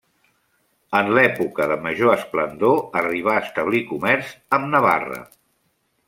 En l'època de major esplendor arribà a establir comerç amb Navarra.